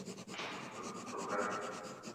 Později se na nějaký čas dostal do Prahy.